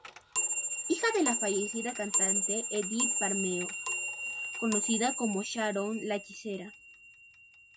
Hija de la fallecida cantante Edith Bermeo, conocida como Sharon la Hechicera.